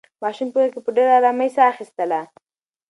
ماشوم په غېږ کې په ډېرې ارامۍ ساه اخیستله.